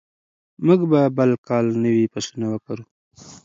موږ به بل کال نوي فصلونه وکرو.